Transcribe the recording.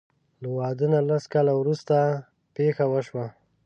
له واده نه لس کاله وروسته پېښه وشوه.